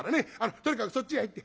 とにかくそっちへ入って。